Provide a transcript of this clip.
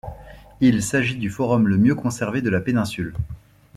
Il s'agit du forum le mieux conservé de la péninsule.